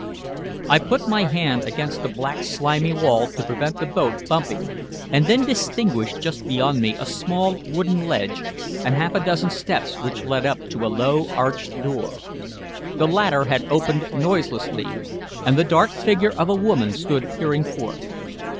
I put my hand against the black, slimy wall to prevent the boat bumping, and then distinguished just beyond me a small wooden ledge and half a dozen steps which led up to a low arched door. The latter had opened noiselessly, and the dark figure of a woman stood peering forth.